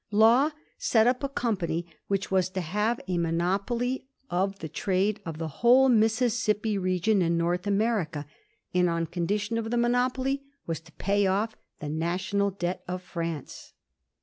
Law set up a company which was to have a monopoly of the trade of the whole Mississippi region in North America, and on condition of the monopoly was to pay off the National Debt of France.